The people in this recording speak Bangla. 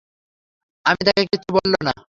আমি তাকে কিচ্ছু বলল না।